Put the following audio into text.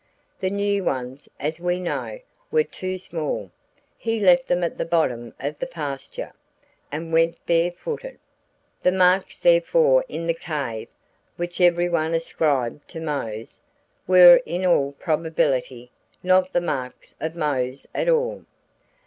The new ones, as we know, were too small he left them at the bottom of the pasture and went bare footed. The marks therefore in the cave, which everyone ascribed to Mose, were in all probability, not the marks of Mose at all.